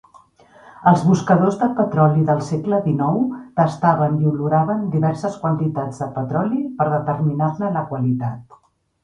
Els buscadors de petroli del segle dinou tastaven i oloraven diverses quantitats de petroli per determinar-ne la qualitat.